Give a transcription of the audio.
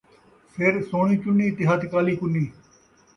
سر سوہݨی چنّی تے ہتھ کالی کنّی